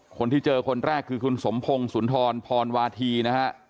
คนที่เจอคนแรกคือคุณสมพงศ์สุนทรพรวาธีนะฮะ